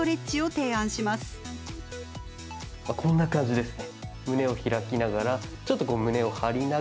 まあこんな感じですね。